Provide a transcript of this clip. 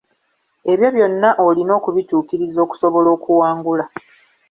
Ebyo byonna olina okubituukiriza okusobola okuwangula.